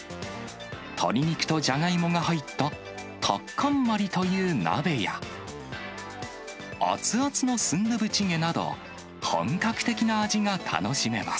鶏肉とジャガイモが入った、タッカンマリという鍋や、熱々のスンドゥブチゲなど、本格的な味が楽しめます。